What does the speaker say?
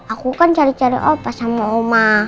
aku kan cari cari apa sama oma